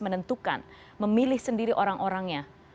menentukan memilih sendiri orang orangnya